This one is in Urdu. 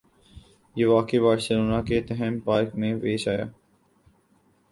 یہ واقعہ بارسلونا کے تھیم پارک میں پیش آیا